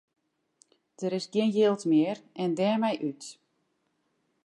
Der is gjin jild mear en dêrmei út.